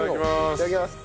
いただきます。